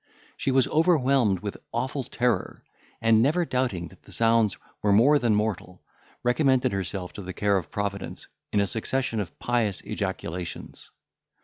She was overwhelmed with awful terror, and, never doubting that the sounds were more than mortal, recommended herself to the care of Providence in a succession of pious ejaculations.